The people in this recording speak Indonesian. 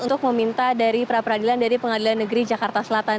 untuk meminta dari pra peradilan dari pengadilan negeri jakarta selatan